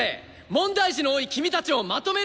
問題児の多い君たちをまとめること！